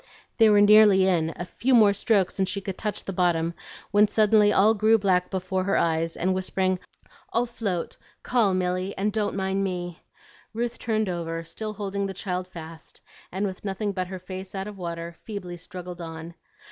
They were nearly in, a few more strokes and she could touch the bottom, when suddenly all grew black before her eyes, and whispering, "I'll float. Call, Milly, and don't mind me," Ruth turned over, still holding the child fast, and with nothing but her face out of water, feebly struggled on.